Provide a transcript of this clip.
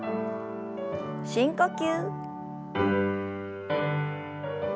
深呼吸。